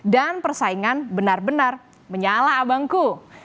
dan persaingan benar benar menyala abangku